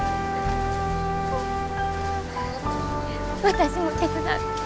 私も手伝う。